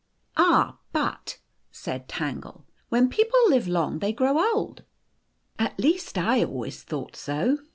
" Ah ! but," said Tangle, " when people live long they grow old. At least I always thought so."